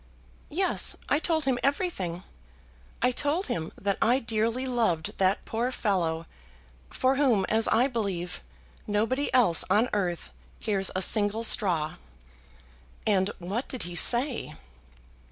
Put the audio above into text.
"Yes; I told him everything. I told him that I dearly loved that poor fellow, for whom, as I believe, nobody else on earth cares a single straw." "And what did he say?"